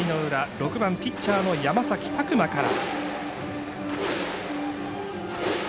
６番ピッチャーの山崎琢磨から。